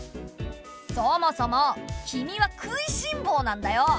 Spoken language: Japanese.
そもそもキミは食いしんぼうなんだよ。